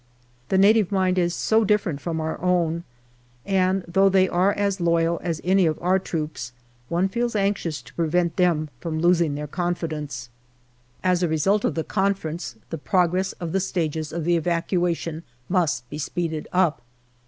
The Native mind is so different from our own, and though they are as loyal 316 GALLirOLI DIARY as any of our troops, one feels anxious to prevent them from losing their confidence. As a result of the conference, the progress of the stages of the evacuation must be speeded up.